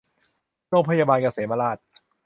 โรงพยาบาลเกษมราษฎร์